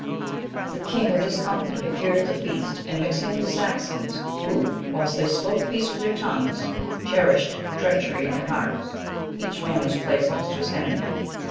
The king with his company, appeared at the feast; and mixing with the Saxons, who, whilst they spoke peace with their tongues, cherished treachery in their hearts, each man was placed next to his enemy.